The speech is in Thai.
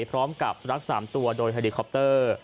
พร้อมกับสุรักษณ์๓ตัวโดยไฮร์ดีคอปเตอร์